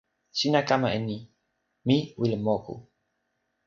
sina kama e ni: mi wile moku.